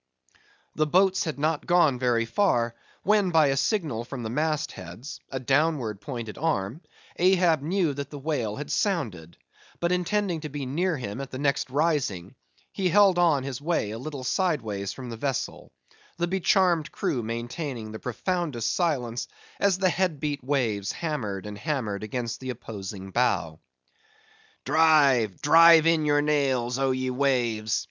The boats had not gone very far, when by a signal from the mast heads—a downward pointed arm, Ahab knew that the whale had sounded; but intending to be near him at the next rising, he held on his way a little sideways from the vessel; the becharmed crew maintaining the profoundest silence, as the head beat waves hammered and hammered against the opposing bow. "Drive, drive in your nails, oh ye waves!